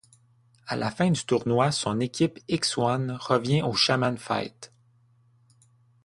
À la fin du tournoi son équipe X-One revient au Shaman Fight.